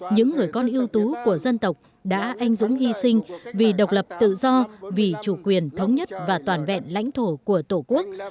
những người con yêu tú của dân tộc đã anh dũng hy sinh vì độc lập tự do vì chủ quyền thống nhất và toàn vẹn lãnh thổ của tổ quốc